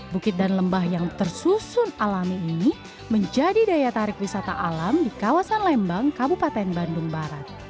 bukit dan lembah yang tersusun alami ini menjadi daya tarik wisata alam di kawasan lembang kabupaten bandung barat